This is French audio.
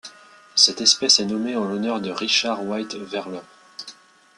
Cette espèce est nommée en l'honneur de Richard White Wehrle.